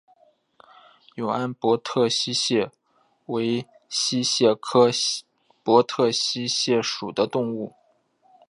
永安博特溪蟹为溪蟹科博特溪蟹属的动物。